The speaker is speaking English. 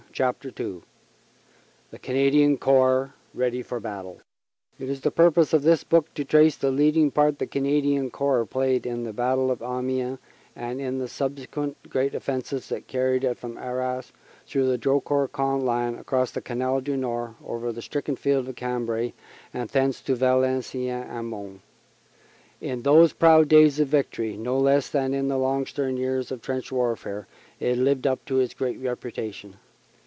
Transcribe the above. CHAPTER II THE CANADIAN CORPS READY FOR BATTLE IT is the purpose of this book to trace the leading part the Canadian Corps played in the Battle of Amiens and in the subsequent great offensives that carried it from Arras through the Drocourt Queant Line, across the Canal du Nord, over the stricken field of Cambrai, and thence to Valenciennes and Mons. In those proud days of victory, no less than in the long stern years of trench warfare, it lived up to its great reputation.